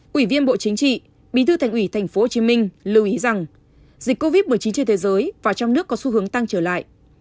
quỷ viên bộ chính trị bí thư thành ủy tp hcm lưu ý rằng dịch covid một mươi chín trên thế giới và trong nước có xu hướng tăng trở lại